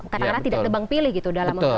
katakanlah tidak debang pilih gitu